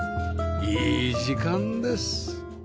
いい時間です